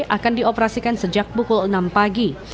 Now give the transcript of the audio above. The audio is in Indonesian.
akan dioperasikan sejak pukul enam pagi